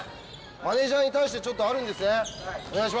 マネージャーに対してちょっとあはい。